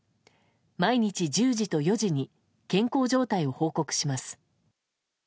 毎日１０時と４時に健康状態を報告します。